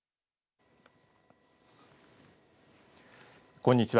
こんにちは。